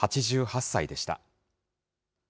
８８歳でした。